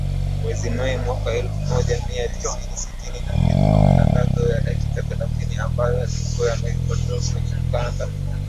Mwezi Mei, mwaka elfu moja mia tisa sitini na mbili kwa matangazo ya dakika thelathini ambayo yalikuwa yamerekodiwa kwenye ukanda.